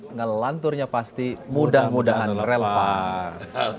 nge lanturnya pasti mudah mudahan relevan